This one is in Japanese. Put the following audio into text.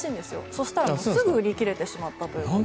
そしたらすぐ売り切れてしまったということで。